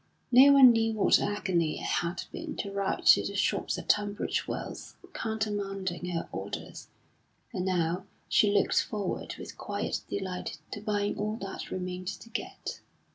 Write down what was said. No one knew what agony it had been to write to the shops at Tunbridge Wells countermanding her orders, and now she looked forward with quiet delight to buying all that remained to get.